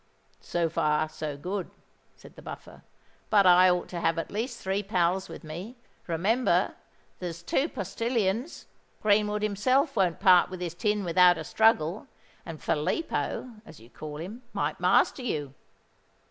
"So far, so good," said the Buffer. "But I ought to have at least three pals with me. Remember, there's two postillions; Greenwood himself won't part with his tin without a struggle; and Filippo, as you call him, might master you."